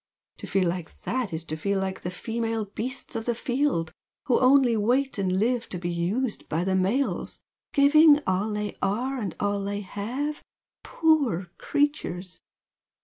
To feel like THAT is to feel like the female beasts of the field who only wait and live to be used by the males, giving 'all they are and all they have,' poor creatures!